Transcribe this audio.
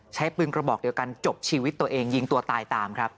ใช้ปืนกระบอกเดียวกันจบชีวิตตัวเองยิงตัวตายตามครับ